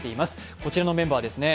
こちらのメンバーです。